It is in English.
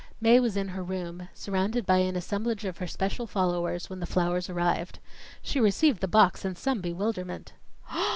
Mae was in her room, surrounded by an assemblage of her special followers, when the flowers arrived. She received the box in some bewilderment.